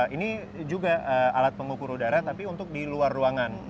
ini juga alat pengukur udara tapi untuk di luar ruangan